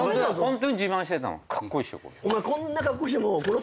ホントに自慢してたの。